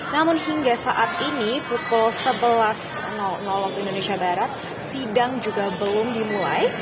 namun hingga saat ini pukul sebelas waktu indonesia barat sidang juga belum dimulai